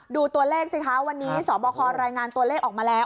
ดูตัวเลขสิคะวันนี้สบครายงานตัวเลขออกมาแล้ว